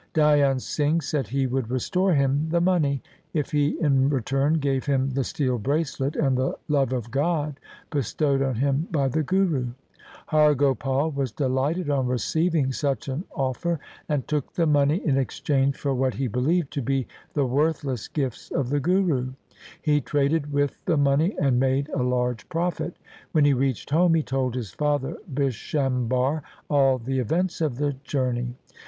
Dhyan Singh said he would restore him the money, if he in return gave him the steel bracelet and the love of God bestowed on him by the Guru. Har Gopal was delighted on receiving such an offer, and took the money in exchange for what he believed to be the worthless gifts of the Guru. He traded with the money and made a large profit. When he reached home he told his father Bishambhar all the events of the journey.